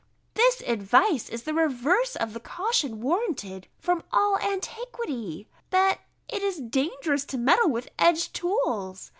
This advice is the reverse of the caution warranted from all antiquity, _That it is dangerous to meddle with edged tools!